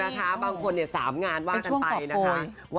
ถูกนะคะบางคนเนี่ย๓งานว่ากันไปนะคะ